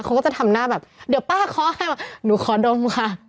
เขาก็จะทำหน้าแบบเดี๋ยวป้าขอให้มาหนูขอดมค่ะ